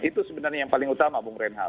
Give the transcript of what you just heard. itu sebenarnya yang paling utama bung reinhard